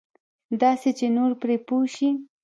داسې چې نور پرې پوه شي.